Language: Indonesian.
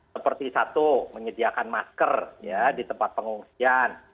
seperti satu menyediakan masker ya di tempat pengungsian